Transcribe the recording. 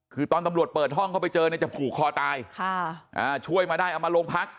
คือตอนตำรวจเปิดห้องเข้าไปเจอเนี่ยจะผูกคอตายช่วยมาได้เอามาโรงพัก